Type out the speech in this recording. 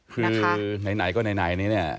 คือไหนก็ไหนนี้เนี่ย